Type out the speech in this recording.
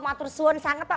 matur suan sangat pak